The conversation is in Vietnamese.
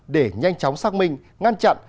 để nhanh chóng xác minh ngăn chặn